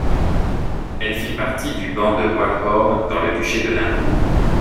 Elle fit partie du ban de Walhorn, dans le duché de Limbourg.